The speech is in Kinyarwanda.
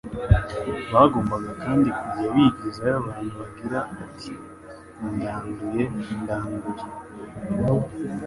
bagombaga kandi kujya bigizayo abantu bagira ati : "Ndanduye! Ndanduye!"